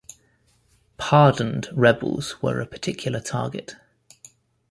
"Pardoned" rebels were a particular target.